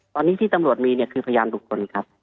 ตอนนี้ที่ตำรวจมีเนี่ยคือพยานบุคคลครับ